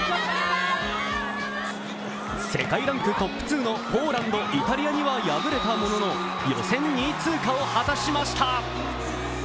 世界ランクトップ２のポーランド、イタリアには敗れたものの、予選２位通過を果たしました。